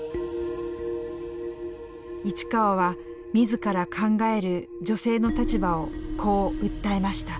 市川は自ら考える女性の立場をこう訴えました。